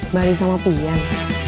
mari sama pian